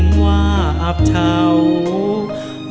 สนุกของชาวบูรณครับ